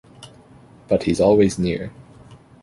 But he's always near.